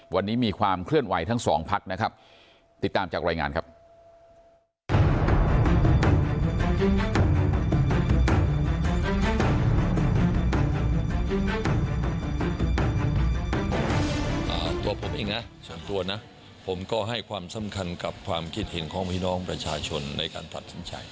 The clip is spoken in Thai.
วันนี้มีความเคลื่อนไหวทั้งสองพักนะครับติดตามจากรายงานครับ